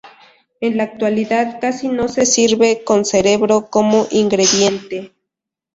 En la actualidad casi no se sirve con cerebro como ingrediente.